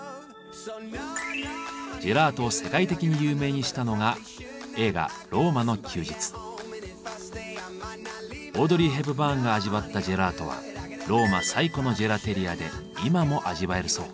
ジェラートを世界的に有名にしたのがオードリー・ヘプバーンが味わったジェラートはローマ最古のジェラテリアで今も味わえるそう。